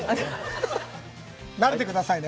なれてくださいね。